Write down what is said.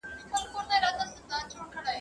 شپې لېونۍ وای له پایکوبه خو چي نه تېرېدای !.